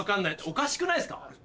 おかしくないっすか？